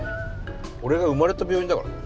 俺が生まれた病院だからね。